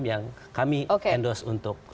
yang kami endorse untuk